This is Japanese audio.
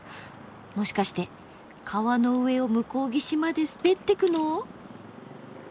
もしかして川の上を向こう岸まで滑ってくの？